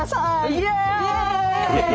イエイ！